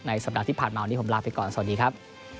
สัปดาห์ที่ผ่านมาวันนี้ผมลาไปก่อนสวัสดีครับ